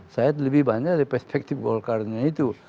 saya lebih banyak dari perspektif golkarnya itu